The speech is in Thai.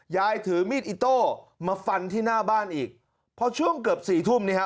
ยายถือมีดอิโต้มาฟันที่หน้าบ้านอีกพอช่วงเกือบสี่ทุ่มนี่ฮะ